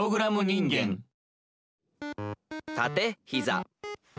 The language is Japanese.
「たてひざ」。